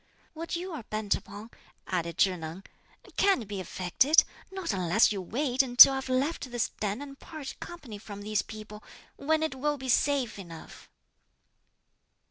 "What you're bent upon," added Chih Neng, "can't be effected; not unless you wait until I've left this den and parted company from these people, when it will be safe enough."